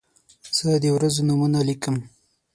زه د ورځو نومونه لیکم.